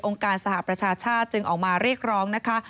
การสหประชาชาติจึงออกมาเรียกร้องนะคะ